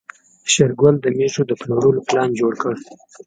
شېرګل د مېږو د پلورلو پلان جوړ کړ.